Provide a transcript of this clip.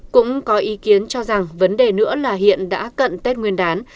cũng có ý kiến cho rằng vấn đề nữa là hiện đã cận tết nguyên đán